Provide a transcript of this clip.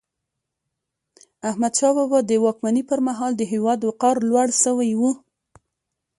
احمدشاه بابا د واکمني پر مهال د هیواد وقار لوړ سوی و.